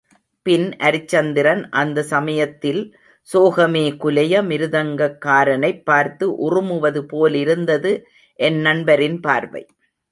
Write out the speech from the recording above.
பின் அரிச்சந்திரன் அந்த சமயத்தில் சோகமே குலைய மிருதங்ககாரனைப் பார்த்து உறுமுவது போலிருந்தது என் நண்பரின் பார்வை.